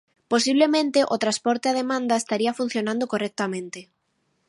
Posiblemente o transporte a demanda estaría funcionando correctamente.